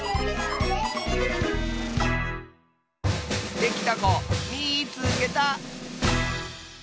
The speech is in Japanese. できたこみいつけた！